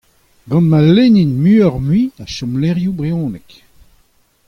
Gant ma lennint muiocʼh-mui a chomlecʼhioù brezhonek !